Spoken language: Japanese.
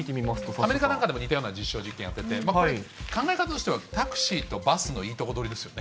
アメリカなんかでも似たような実証実験やってて、考え方としてはタクシーとバスのいいところ取りですよね。